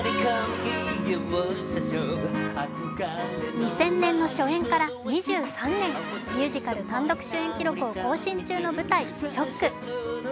２０００年の初演から２３年、ミュージカル単独主演記録を更新中の舞台、「ＳＨＯＣＫ」。